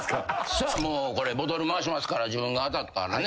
さあこれボトル回しますから自分が当たったらね